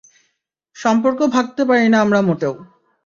সম্পর্ক ভাঙতে পারি না আমরা মোটেও।